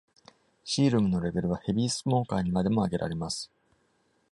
Serum のレベルは、ヘビースモーカーにまでも上げられます。